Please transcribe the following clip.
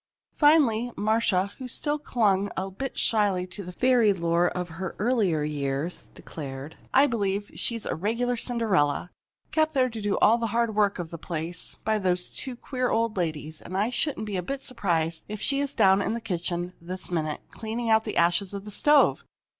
Finally Marcia, who still clung a bit shyly to the fairy lore of her earlier years, declared: "I believe she's a regular Cinderella, kept there to do all the hard work of the place by those queer old ladies, and I shouldn't be a bit surprised if she's down in the kitchen this minute, cleaning out the ashes of the stove!